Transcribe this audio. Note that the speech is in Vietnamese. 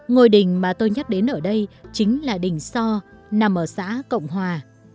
ngôi đình mà tôi nhắc đến ở đây chính là đình so nằm ở xã cộng hòa